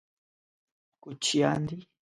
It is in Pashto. کوچیان دي.